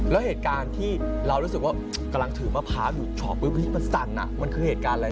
แล้วเหตุการณ์ที่เรารู้สึกว่ากำลังถือมะพร้าวอยู่ช็อปปุ๊บมันสั่นมันคือเหตุการณ์อะไร